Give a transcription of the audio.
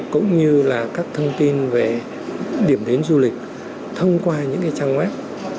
cũng như là các thông tin về điểm đến du lịch thông qua những trang web